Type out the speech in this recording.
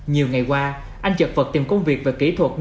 nhiều ngày qua anh chật vật tìm công việc về kỹ thuật